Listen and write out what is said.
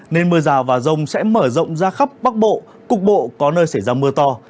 nên mưa rào và rông sẽ mở rộng ra khắp bắc bộ cục bộ có nơi xảy ra mưa to